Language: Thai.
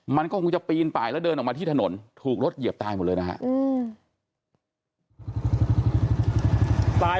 มันก็คงจะปีนไปแล้วเดินออกมาที่ถนนถูกรถเหยียบตายหมดเลยนะฮะ